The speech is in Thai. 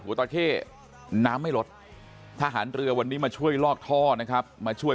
ตาเข้น้ำไม่ลดทหารเรือวันนี้มาช่วยลอกท่อนะครับมาช่วย